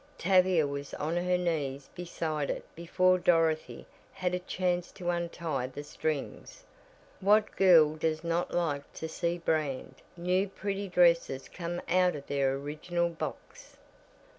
Tavia was on her knees beside it before Dorothy had a chance to untie the strings. What girl does not like to see brand, new, pretty dresses come out of their original box?